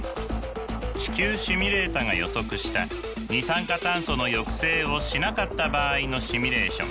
地球シミュレータが予測した二酸化炭素の抑制をしなかった場合のシミュレーション。